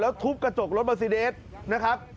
ทุบกระจกรถบาซิเดสนะครับ